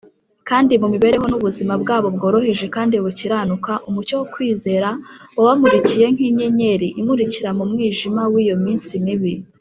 kandi mu mibereho n’ubuzima bwabo bworoheje kandi bukiranuka, umucyo wo kwizera wabamurikiye nk’inyenyeri imurikira mu mwijima w’iyo minsi mibi.